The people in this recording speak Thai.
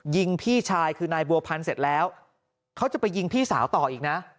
ยิงพี่ชายคือนายบัวพันธ์เสร็จแล้วเขาจะไปยิงพี่สาวต่ออีกนะ